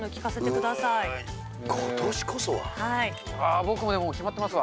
僕はもう決まってますわ。